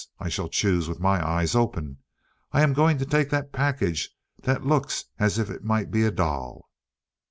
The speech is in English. I shall choose with my eyes open. I am going to take that package that looks as if it might be a doll."